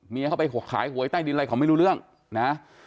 เข้าไปขายหวยใต้ดินอะไรเขาไม่รู้เรื่องนะ